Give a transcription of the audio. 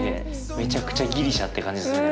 めちゃくちゃギリシャって感じするね。